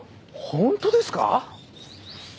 本当ですか！？